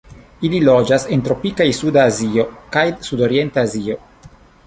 Ili loĝas en tropikaj Suda Azio kaj Sudorienta Azio.